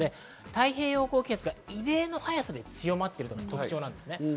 太平洋高気圧が異例の早さで強まっているのが特徴です。